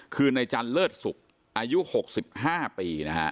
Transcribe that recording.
คือในจันทร์เลิศศุกร์อายุ๖๕ปี